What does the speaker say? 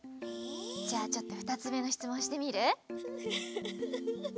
じゃあちょっとふたつめのしつもんしてみる？